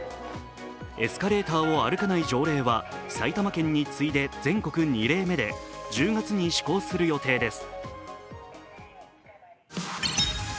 エスカレーターを歩かない条例は埼玉県に次いで全国２例目で１０月に施行する予定です。